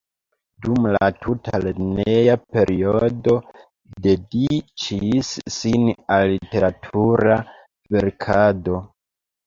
Dum la tuta lerneja periodo dediĉis sin al literatura verkado.